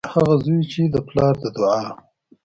هغه زوی چې د پلار د دعا